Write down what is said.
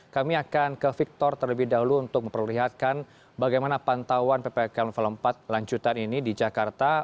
kami akan ke victor terlebih dahulu untuk memperlihatkan bagaimana pantauan ppkm level empat lanjutan ini di jakarta